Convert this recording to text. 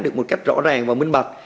được một cách rõ ràng và minh mặt